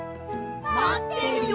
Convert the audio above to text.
まってるよ！